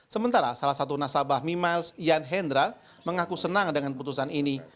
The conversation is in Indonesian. sementara salah satu nasabah mimiles yan hendra mengaku senang dengan putusan ini